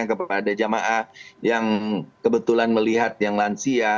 kepada jamaah yang kebetulan melihat yang lansia